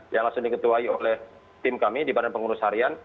yang langsung diketuai oleh tim kami di badan pengurus harian